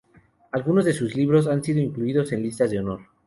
Algunos de sus libros han sido incluidos en listas de honor.